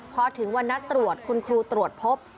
พอถึงวันนัดตรวจคุณครูตรวจพบ